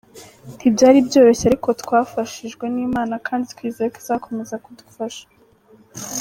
Ntibyari byoroshye ariko twafashijwe n’Imana kandi twizeye ko izakomeza kudufasha.